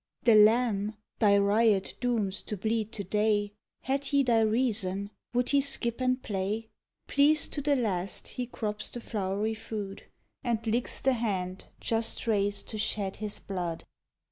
The lamb, thy riot dooms to bleed to day, Had he thy reason, would he skip and play? Pleased to the last he crops the flowery food, And licks the hand just rais'd to shed his blood.